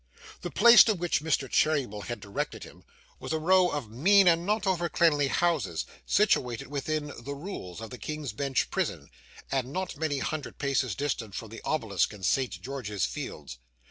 The place to which Mr. Cheeryble had directed him was a row of mean and not over cleanly houses, situated within 'the Rules' of the King's Bench Prison, and not many hundred paces distant from the obelisk in St George's Fields.